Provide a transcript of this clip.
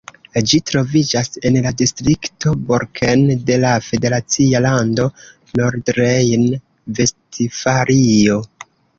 Ĝi troviĝas en la distrikto Borken de la federacia lando Nordrejn-Vestfalio.